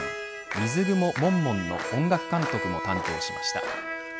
水グモもんもんの音楽監督も担当しました。